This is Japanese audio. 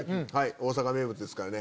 大阪名物ですからね。